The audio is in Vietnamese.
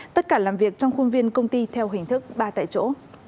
tất cả làm việc trong khuôn viên công ty theo hình thức ba tại chỗ